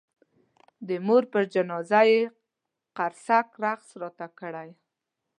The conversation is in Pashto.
د مور پر جنازه یې قرصک رقص راته کړی.